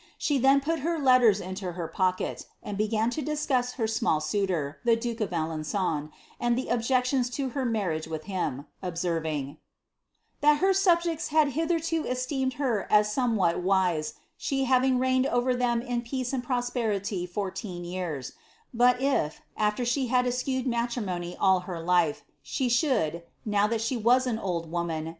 She then put her letters into her pocket, and be* gan to discuss her small suitor, the duke of Alenron, and the objections to her marriage with him, observing '• that her subjects had hitherto esteemed her as somewhat wise, she having reigned over them in peace and prosperity fourteen years ; but if, after she had eschewed matrimony all her liie, she should, now she was an old v, oman.